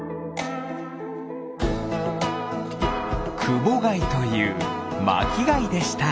クボガイというまきがいでした。